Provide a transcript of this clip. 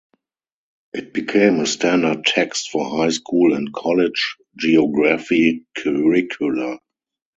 It became a standard text for high school and college geography curricula.